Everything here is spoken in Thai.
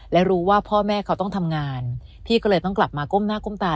และรู้ว่าพ่อแม่เขาต้องทำงานพี่ก็เลยต้องกลับมาก้มหน้าก้มตา